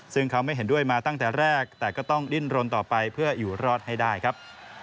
ซึ่งเขาไม่เห็นด้วยมาตั้งแต่แรกแต่ก็ต้องดิ้นรนต่อไปเพื่ออยู่รอดให้ได้ครับ